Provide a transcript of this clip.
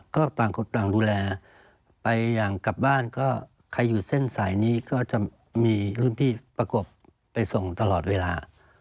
ก็ต่างคนต่างดูแลไปอย่างกลับบ้านก็ใครอยู่เส้นสายนี้ก็จะมีรุ่นพี่ประกบไปส่งตลอดเวลา